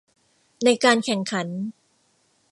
ในการแข่งขัน